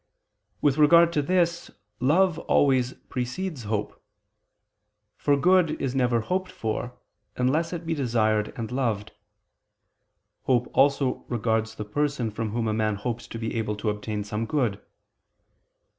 With regard to this, love always precedes hope: for good is never hoped for unless it be desired and loved. Hope also regards the person from whom a man hopes to be able to obtain some good.